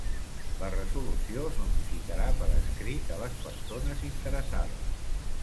La resolució es notificarà per escrit a les persones interessades.